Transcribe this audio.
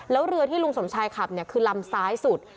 แล้วเรือที่ลุงสมชายขับคือลำซ้ายสุด